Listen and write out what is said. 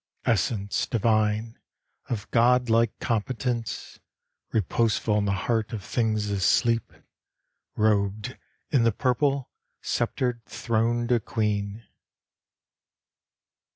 Essence divine, of God like competence, Reposeful in the heart of things as sleep! Robed in the purple, sceptred, throned a queen!